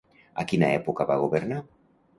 A quina època va governar?